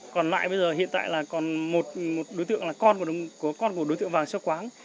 còn lại bây giờ hiện tại là còn một đối tượng là con của đối tượng vàng xeo quáng